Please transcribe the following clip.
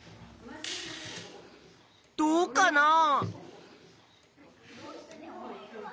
どうかなあ？